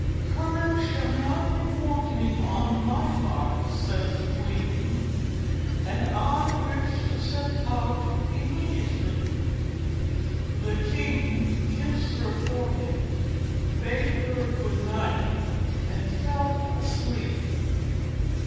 "Courage shall not be wanting on my part," said the queen, "and I wish to set out immediately." The king kissed her forehead, bade her good night, and fell asleep.